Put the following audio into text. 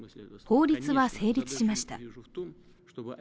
法律は成立しました。